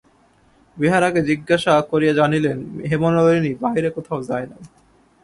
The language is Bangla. বেহারাকে জিজ্ঞাসা করিয়া জানিলেন, হেমনলিনী বাহিরে কোথাও যায় নাই।